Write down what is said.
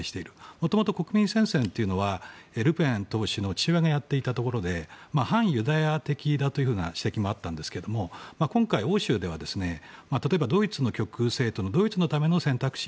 もともと国民戦線というのはルペン党首の父親がやっていたところで反ユダヤ的との指摘もあったんですが今回、欧州では例えばドイツの極右政党のドイツのための選択肢